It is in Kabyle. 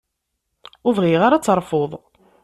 Ur bɣiɣ ara ad terfuḍ.